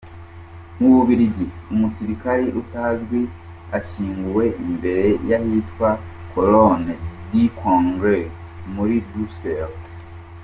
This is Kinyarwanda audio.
Mu Bubiligi : Umusirikare utazwi ashyinguwe imbere y’ahitwa Colonne du Congrès muri Bruxelles.